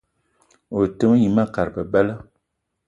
O te yi ma kat bebela.